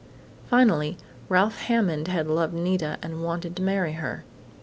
Finally, Ralph Hammond had loved Nita and wanted to marry her.